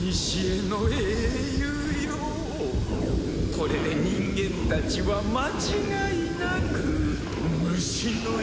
これで人間たちは間違いなく虫の息です。